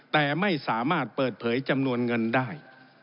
แต่ไม่สามารถเปิดเผยจำนวนเงินได้